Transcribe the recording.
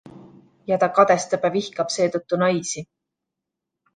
Ja ta kadestab ja vihkab seetõttu naisi.